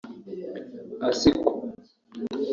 Assiko